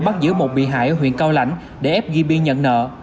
quý đã bắt giữ một bị hại ở huyện cao lãnh để ép ghi biên nhận nợ